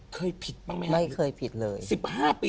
เคยผิดบ้างไหมครับ